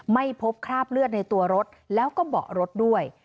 ไม่พบคราบเลือดในตัวรถแล้วก็เบาะรถด้วย